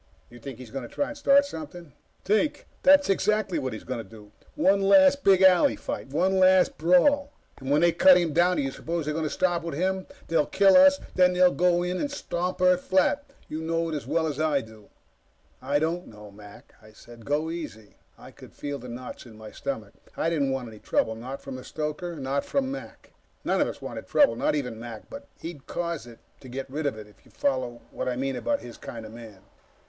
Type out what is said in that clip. "You think he's going to try to start something?" "Think! That's exactly what he's going for. One last big alley fight. One last brawl. When they cut him down do you suppose they'll stop with him? They'll kill us, and then they'll go in and stamp Earth flat! You know it as well as I do." "I don't know, Mac," I said. "Go easy." I could feel the knots in my stomach. I didn't want any trouble. Not from the stoker, not from Mac. None of us wanted trouble not even Mac, but he'd cause it to get rid of it, if you follow what I mean about his kind of man.